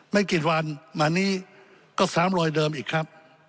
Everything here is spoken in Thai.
ไม่กี่วันมานี้ก็๓๐๐รอยเดิมอีกครับ